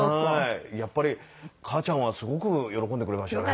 やっぱり母ちゃんはすごく喜んでくれましたね。